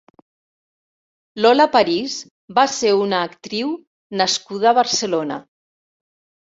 Lola Paris va ser una actriu nascuda a Barcelona.